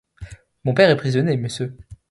Mon père est prisonnier, monsieur.